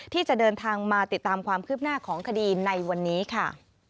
ที่จะเดินทางมาติดตามความคืบหน้าของคดีในวันนี้ค่ะ